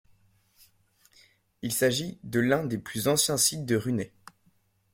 Il s'agit de l'un des plus anciens sites de Runet.